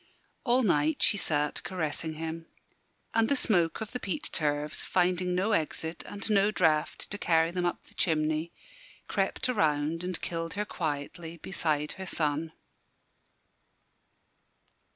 All night she sat caressing him. And the smoke of the peat turves, finding no exit and no draught to carry them up the chimney, crept around and killed her quietly beside her son.